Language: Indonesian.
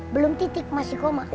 belum titik masih koma